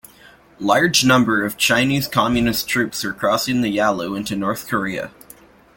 Large numbers of Chinese Communist troops were crossing the Yalu into North Korea.